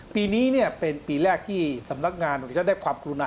ปีนี้เป็นปีแรกที่สำนักงานของชาติได้ความกรุณา